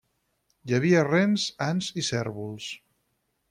Hi havia rens, ants i cérvols.